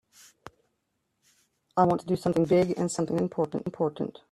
I want to do something big and something important.